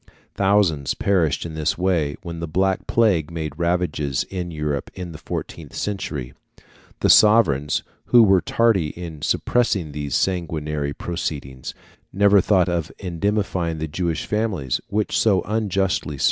Thousands perished in this way when the black plague made ravages in Europe in the fourteenth century. The sovereigns, who were tardy in suppressing these sanguinary proceedings, never thought of indemnifying the Jewish families which so unjustly suffered.